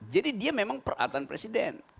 jadi dia memang peralatan presiden